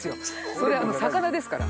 それ魚ですから。